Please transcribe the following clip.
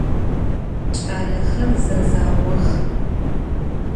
Ç'alexer zezaox.